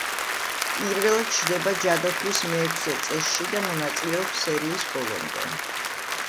პირველად ჩნდება ჯადოქრის მეექვსე წესში და მონაწილეობს სერიის ბოლომდე.